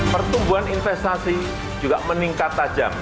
pertumbuhan investasi juga meningkat tajam